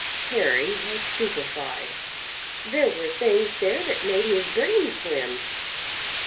Harry was stupefied. There were things there that made his brain swim.